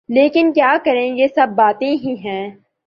لیکن کیا کریں یہ سب باتیں ہی ہیں۔